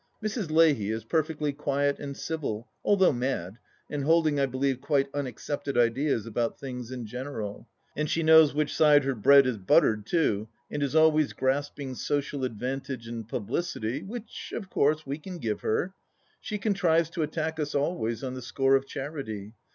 Mrs. Leahy is perfectly quiet and civil, although mad, and holding I believe quite unaccepted ideas about things in general. And she knows which side her bread is buttered too, and is always grasping social advantage and publicity, which of course we can give her. She contrives to attack us always on the score of charity.